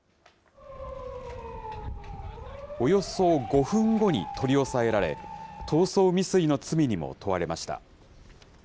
およそ５分後に取り押さえられ、逃走未遂の罪にも問われました。